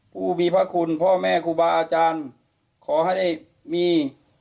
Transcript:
ผู้มีพระคุณพ่อแม่ครูบาอาจารย์ขอให้ได้มี